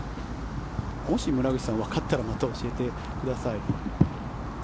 もし村口さん、わかったらまた教えてください。